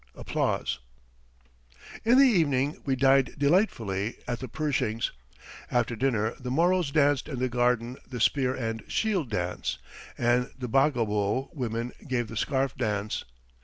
In the evening we dined delightfully at the Pershings'. After dinner, the Moros danced in the garden the spear and shield dance, and the Bagobo women gave the scarf dance.